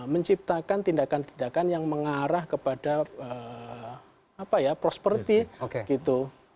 menciptakan tindakan tindakan yang mengarah kepada prosperity